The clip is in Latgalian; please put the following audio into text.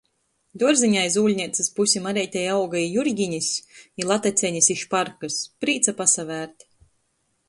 Duorzeņā iz ūļneicys pusi Mareitei auga i jurginis, i latacenis, i šparkys. Prīca pasavērt.